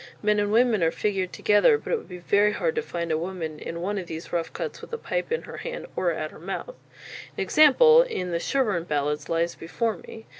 Men and women are figured together, but it would be very hard to find a woman in one of these rough cuts with a pipe in her hand or at her mouth. An example, in the "Shirburn Ballads" lies before me.